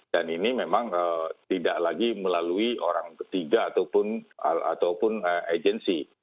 dan ini memang tidak lagi melalui orang ketiga ataupun agensi